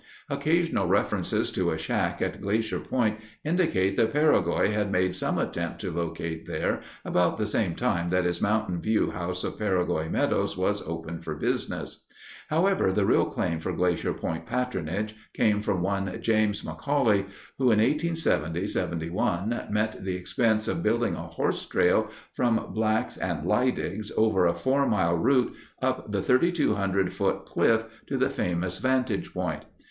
Occasional references to a shack at Glacier Point indicate that Peregoy had made some attempt to locate there about the same time that his Mountain View House of Peregoy Meadows was opened for business. However, the real claim for Glacier Point patronage came from one James McCauley, who in 1870 1871 met the expense of building a horse trail from Black's and Leidig's over a four mile route up the 3,200 foot cliff to the famous vantage point.